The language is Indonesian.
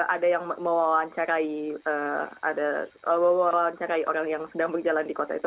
ada yang mewawancarai ada mewawancarai orang yang sedang berjalan di kota itu